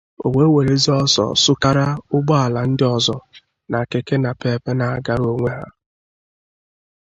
o wee werezie ọsọ sukara ụgbọala ndị ọzọ na Keke Napep na-agara onwe ha